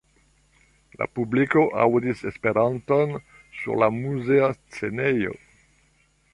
La publiko aŭdis Esperanton sur la muzea scenejo.